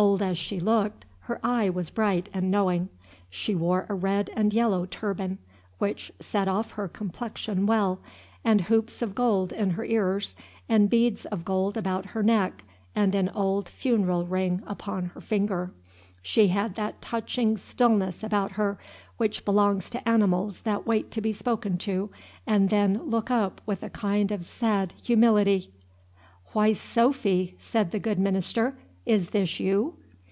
Old as she looked, her eye was bright and knowing. She wore a red and yellow turban, which set off her complexion well, and hoops of gold in her ears, and beads of gold about her neck, and an old funeral ring upon her finger. She had that touching stillness about her which belongs to animals that wait to be spoken to and then look up with a kind of sad humility. "Why, Sophy!" said the good minister, "is this you?"